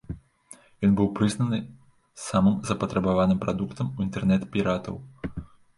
Ён быў прызнаны самым запатрабаваным прадуктам у інтэрнэт-піратаў.